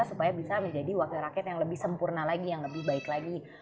supaya bisa menjadi wakil rakyat yang lebih sempurna lagi yang lebih baik lagi